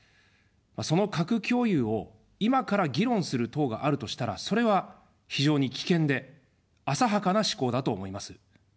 その核共有を今から議論する党があるとしたら、それは非常に危険で、浅はかな思考だと思います。